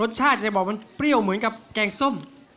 ชาติจะบอกมันเปรี้ยวเหมือนกับแกงส้ม